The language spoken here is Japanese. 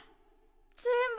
ぜんぶ